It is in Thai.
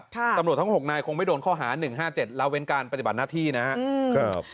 ตำรวจทั้ง๖นายคงไม่โดนข้อหา๑๕๗ละเว้นการปฏิบัติหน้าที่นะครับ